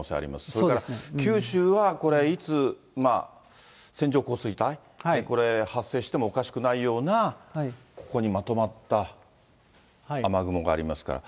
それから九州はこれ、いつ線状降水帯、これ、発生してもおかしくないような、ここにまとまった雨雲がありますから。